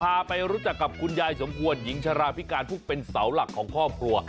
พาไปรู้จักกับคุณยายสมควรหญิงชราพิการผู้เป็นเสาหลักของครอบครัว